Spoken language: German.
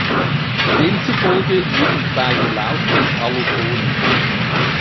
Demzufolge wurden die beiden Laute Allophone.